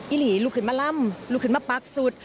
หลีลุกขึ้นมาลำลูกขึ้นมาปักสุด